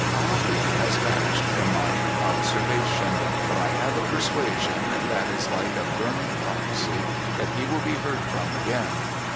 Ah Lee has vanished from my observation, but 1 have a persuasion that is like a burning proph ecy that he will be heard from again.